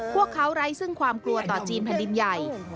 พวกเขาไร้ซึ่งความกลัวต่อจีนแผ่นดินใหญ่